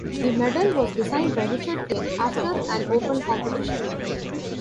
The medal was designed by Richard King after an open competition.